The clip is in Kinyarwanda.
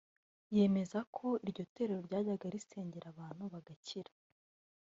yemeza ko iryo torero ryajyaga risengera abantu bagakira